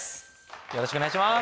よろしくお願いします。